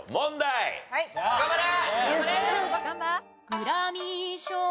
頑張れ！